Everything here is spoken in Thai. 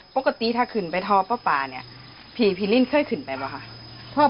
ปกติถ้าขึ้นไปทอป้าป่าเนี่ยพี่พีลินเคยขึ้นไปป่ะคะ